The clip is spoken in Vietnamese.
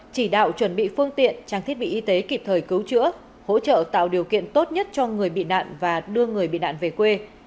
chỉ đạo chuẩn bị phương tiện trang thiết bị y tế kịp thời cứu chữa hỗ trợ tạo điều kiện tốt nhất cho người bị nạn và đưa người bị nạn về quê